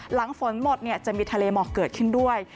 หลังฝนหมดจะมีทะเลหมอกเกิดขึ้นด้วย